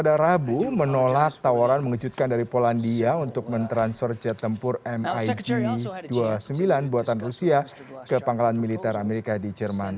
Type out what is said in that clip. pada rabu menolak tawaran mengejutkan dari polandia untuk mentransfer jet tempur mig dua puluh sembilan buatan rusia ke pangkalan militer amerika di jerman